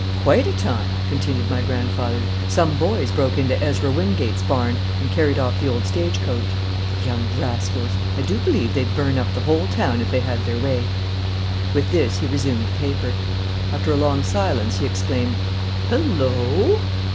"Quite a time," continued my grandfather. "Some boys broke into Ezra Wingate's barn and carried off the old stagecoach. The young rascals! I do believe they'd burn up the whole town if they had their way." With this he resumed the paper. After a long silence he exclaimed, "Hullo!"